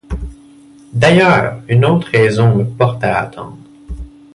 D’ailleurs, une autre raison me porte à attendre.